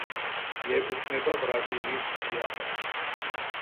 მიეკუთვნება ბრაზილიის მთიანეთს.